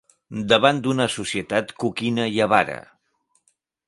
Davant d'una societat coquina i avara